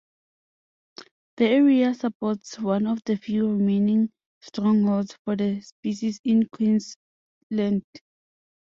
The area supports one of the few remaining strongholds for the species in Queensland.